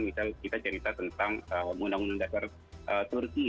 misal kita cerita tentang undang undang dasar turki